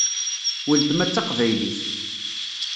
Weltma d taqbaylit.